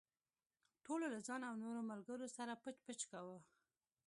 ټولو له ځان او نورو ملګرو سره پچ پچ کاوه.